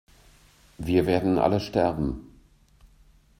Wir werden alle sterben!